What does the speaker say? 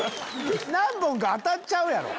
何本か当たっちゃうやろ。